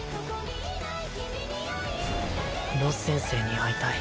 ロス先生に会いたい